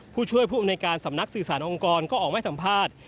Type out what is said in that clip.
ผู้ช่วยผู้อำนวยการสำนักสื่อสารองค์กรก็ออกมาให้สัมภาษณ์